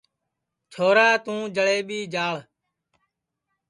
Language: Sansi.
چھورا توں جݪئیٻی جاݪ